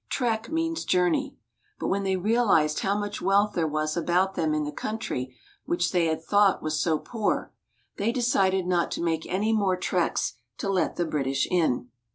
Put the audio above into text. Trek means journey. But when they realized how much wealth there was about them in the country which they had thought was so poor, they decided not to make any more treks to let the British in.